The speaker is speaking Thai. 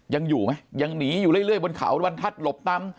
ยังอยู่ไหมยังหนีอยู่เรื่อยบนเขาบรรทัศน์หลบปั๊ม